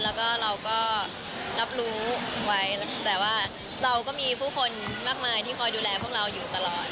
แล้วก็เราก็รับรู้ไว้แต่ว่าเราก็มีผู้คนมากมายที่คอยดูแลพวกเราอยู่ตลอด